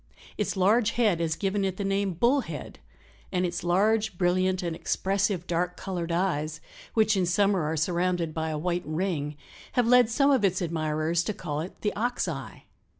Its large head has given it the name Bull head and its large, brilliant and expressive dark colored eyes, which in summer are surrounded by a white ring, have led some of its admirers to call it the Ox eye.